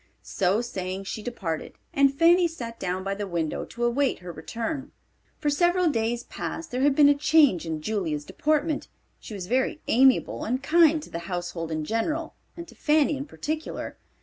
So saying she departed, and Fanny sat down by the window to await her return. For several days past there had been a change in Julia's deportment. She was very amiable and kind to the household in general and to Fanny in particular.